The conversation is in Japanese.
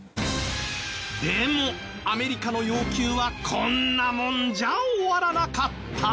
でもアメリカの要求はこんなもんじゃ終わらなかった。